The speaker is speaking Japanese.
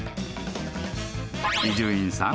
［伊集院さん。